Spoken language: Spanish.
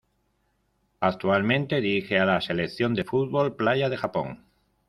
Actualmente dirige a la Selección de fútbol playa de Japón.